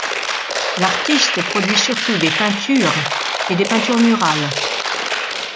L'artiste produit surtout des peintures et des peintures murales.